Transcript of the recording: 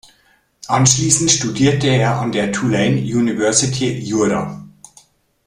Anschließend studierte er an der Tulane University Jura.